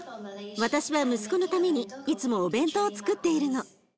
私は息子のためにいつもお弁当をつくっているの。